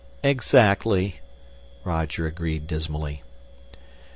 "Exactly," Roger agreed dismally.